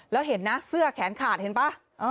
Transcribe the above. แล้วเห็นนะเสื้อแขนขาดเห็นป่ะ